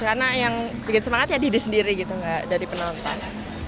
karena yang bikin semangat ya diri sendiri gitu gak dari penonton